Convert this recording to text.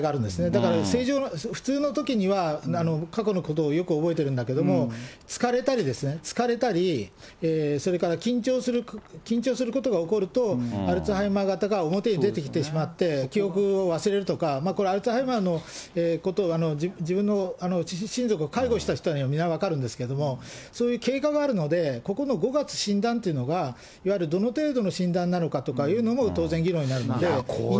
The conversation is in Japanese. だから普通のときには、過去のことをよく覚えてるんだけど、疲れたり、疲れたりそれから緊張することが起こると、アルツハイマー型が表に出てきてしまって、記憶を忘れるとか、これ、アルツハイマーのこと、自分の親族を介護した人は皆分かるんですけど、そういう経過があるので、ここの５月診断というのが、いわゆるどの程度の診断なのかというのも当然議論になるので。